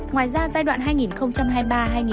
ngoài ra giai đoạn hai nghìn hai mươi ba hai nghìn hai mươi bốn